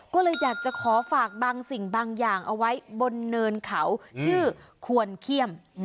ก็เลยอยากจะขอฝากบางสิ่งบางอย่างเอาไว้บนเนินเขาชื่อควรเขี้ยม